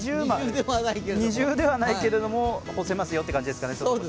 二重ではないけれども干せますよという感じですかね。